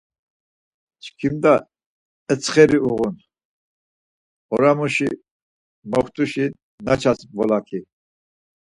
Çkimda etsxeri uğun, oramuşi moxtuşi naças bolaki.